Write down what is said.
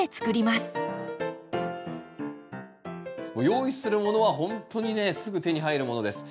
用意するものはほんとにねすぐ手に入るものです。